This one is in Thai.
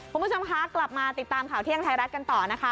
คุณผู้ชมคะกลับมาติดตามข่าวเที่ยงไทยรัฐกันต่อนะคะ